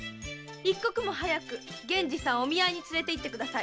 一刻も早く源次さんをお見合いに連れていってください。